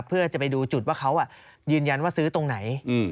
เพื่อจะไปดูจุดว่าเขายืนยันว่าซื้อตรงไหน